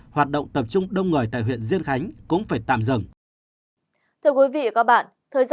hoạt động tập trung đông người tại huyện diên khánh cũng phải tạm dừng